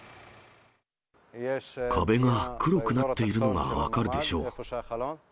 壁が黒くなっているのが分かるでしょう。